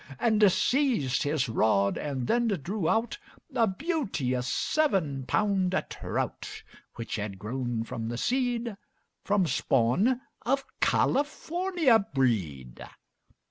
And seized his rod and then drew out A beauteous seven pound trout, Which had grown from the seed From spawn of California breed.